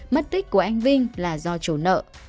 mất tích của anh vinh là do trổ nợ